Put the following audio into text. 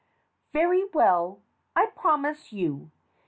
Very well, I promise you.